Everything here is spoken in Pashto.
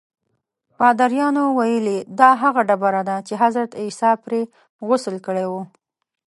پادریانو ویلي دا هغه ډبره ده چې حضرت عیسی پرې غسل کړی و.